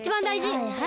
はいはい。